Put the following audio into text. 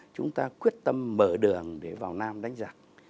chúng ta quyết tâm mở đường để vào nam đánh giặc